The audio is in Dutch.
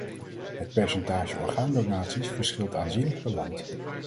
Het percentage orgaandonaties verschilt aanzienlijk per land.